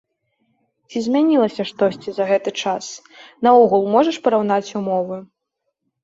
Ці змянілася штосьці за гэты час, наогул можаш параўнаць умовы?